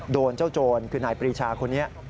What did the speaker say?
โดนเจ้าโจรคือนายปรีชาคนนี้